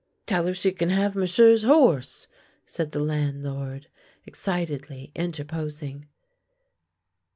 " Tell her she can have m'sieu's horse," said the landlord, excitedly interposing.